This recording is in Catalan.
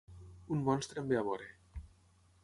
Un monstre em ve a veure.